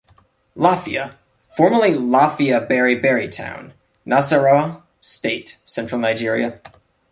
Lafia, formerly Lafia Beri-Beri, town, Nassarawa State, central Nigeria.